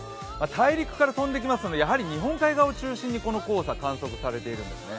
大陸から飛んできますのでやはり日本海側を中心にこの黄砂、観測されているんですね。